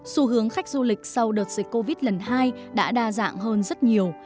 xu hướng khách du lịch sau đợt dịch covid lần hai đã đa dạng hơn rất nhiều